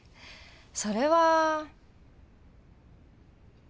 それは。